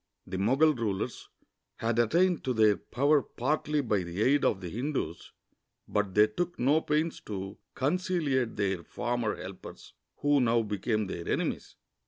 The ]Mogul rulers had attained to their power partly by the aid of the Hindus, but they took no pains to conciliate their former helpers, who now became their enemies.